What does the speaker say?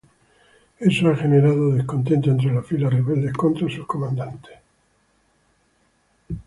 Eso ha generado descontento entre las filas rebeldes contra sus comandantes.